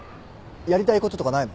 やりたいこととかないの？